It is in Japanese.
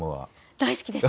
大好きです。